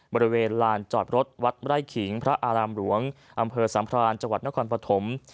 บริเวณลานจอดรถวัดไร่ขิงพระอารามหลวงอำเภอสัมพรานจังหวัดนครปฐม